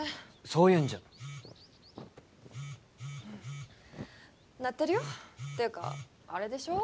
そういうんじゃ鳴ってるよていうかあれでしょ？